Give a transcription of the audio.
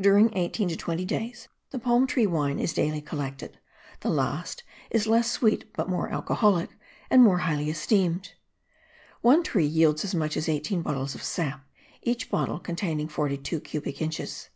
During eighteen to twenty days, the palm tree wine is daily collected; the last is less sweet but more alcoholic and more highly esteemed. One tree yields as much as eighteen bottles of sap, each bottle containing forty two cubic inches.